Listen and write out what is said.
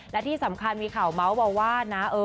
และที่สำคัญมีข่าวเมาส์มาว่านะ